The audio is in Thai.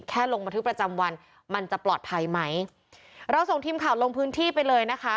ลงบันทึกประจำวันมันจะปลอดภัยไหมเราส่งทีมข่าวลงพื้นที่ไปเลยนะคะ